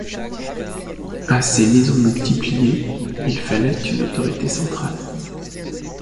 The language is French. À ces maisons multipliées, il fallait une autorité centrale.